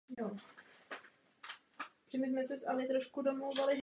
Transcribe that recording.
Jeho album "Another Polka Celebration" získalo cenu Grammy.